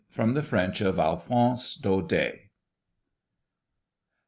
From the French of ALPHONSE DAUDET.